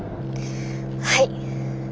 はい。